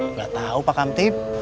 nggak tahu pak kamtib